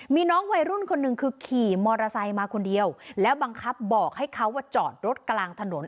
มีน้องวัยรุ่นคนหนึ่งคือขี่มอเตอร์ไซค์มาคนเดียวแล้วบังคับบอกให้เขาว่าจอดรถกลางถนน